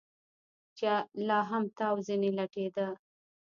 چې لا هم تاو ځنې لټېده.